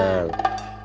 nah ik util igual